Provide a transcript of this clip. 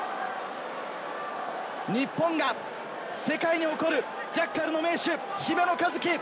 日本が世界に誇るジャッカルの名手・姫野和樹。